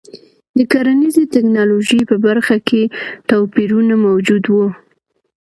د کرنیزې ټکنالوژۍ په برخه کې توپیرونه موجود وو.